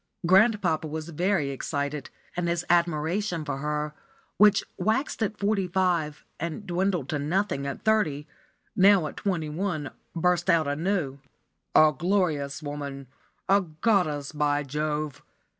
Grandpapa was very excited, and his admiration for her, which waxed at forty five and dwindled to nothing at thirty, now at twenty one, burst out anew. "A glorious woman a goddess, by Jove!